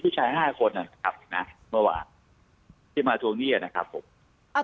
ผู้ชายห้าคนนะครับนะเมื่อวานที่มาทวงหนี้นะครับผมอ่า